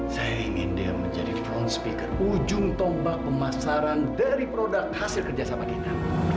saya ingin dia menjadi front speaker ujung tombak pemasaran dari produk hasil kerjasama kita